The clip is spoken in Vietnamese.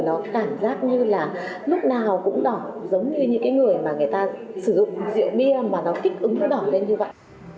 nó cảm giác như là lúc nào cũng đỏ giống như những cái người mà người ta sử dụng rượu bia mà nó kích ứng nó đỏ lên như vậy